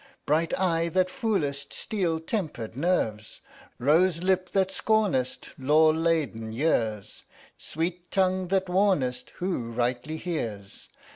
Bright eye that foolest Steel tempered nerves ! Rose lip that scornest Lore laden years! Sweet tongue that warnest Who rightly hears.